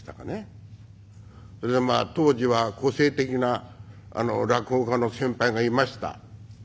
それでまあ当時は個性的な落語家の先輩がいました。